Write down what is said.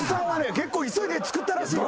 結構急いで作ったらしいよ。